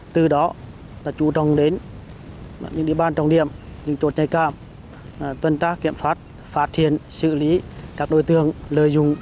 từ đó chúng tôi trọng đến những địa bàn trọng điểm những chỗ chạy cam tuần tra kiểm soát phát hiện xử lý các đối tượng lợi dụng